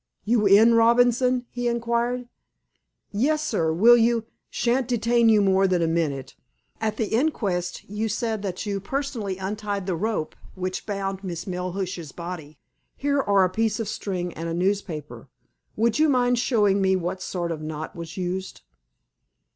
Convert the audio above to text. "You in, Robinson?" he inquired. "Yes, sir. Will you—" "Shan't detain you more than a minute. At the inquest you said that you personally untied the rope which bound Miss Melhuish's body. Here are a piece of string and a newspaper. Would you mind showing me what sort of knot was used?"